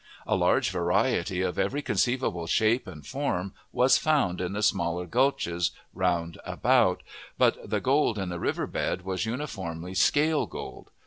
A large variety, of every conceivable shape and form, was found in the smaller gulches round about, but the gold in the river bed was uniformly "scale gold."